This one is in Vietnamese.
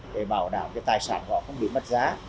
để bảo đảm cái tài sản của họ không bị mất giá